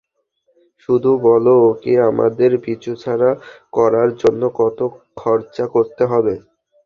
শুধু বলো ওকে আমাদের পিছুছাড়া করার জন্য কত খরচা করতে হবে!